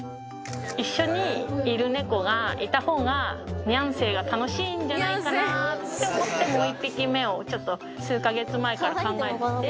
一緒にいる猫がいたほうが、ニャン生が楽しいんじゃないかなと思って、もう１匹目をちょっと数か月前から考えてて。